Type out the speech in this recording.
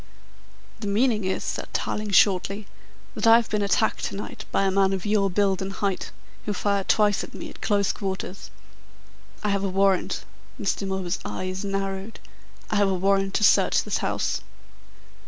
"The meaning is," said Tarling shortly, "that I have been attacked to night by a man of your build and height, who fired twice at me at close quarters. I have a warrant " Mr. Milburgh's eyes narrowed "I have a warrant to search this house."